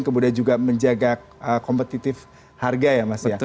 kemudian juga menjaga kompetitif harga ya mas ya